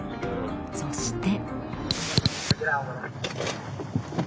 そして。